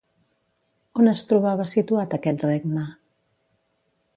On es trobava situat aquest regne?